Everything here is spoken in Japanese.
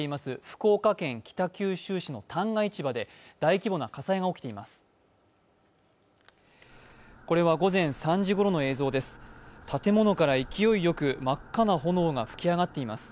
福岡県北九州市の旦過市場で大規模な火災が起きています。